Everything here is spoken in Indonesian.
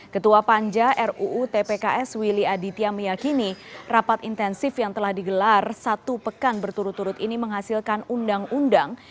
ketua panja ruu tpks willy aditya meyakini rapat intensif yang telah digelar satu pekan berturut turut ini menghasilkan undang undang